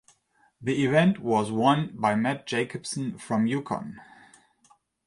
The event was won by Matt Jacobson from Yukon.